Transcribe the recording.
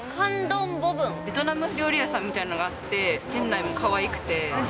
ベトナム料理屋さんみたいなのがあって、店内もかわいくて。